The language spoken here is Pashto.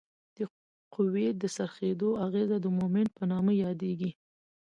د قوې د څرخیدو اغیزه د مومنټ په نامه یادیږي.